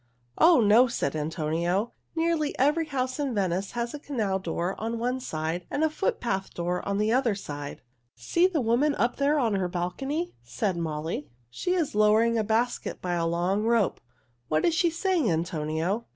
"Oh, no!" said Antonio. "Nearly every house in Venice has a canal door on one side and a footpath door on the other side." "See the woman up there on her balcony," said Molly. "She is lowering a basket by a long rope. What is she saying, Antonio?"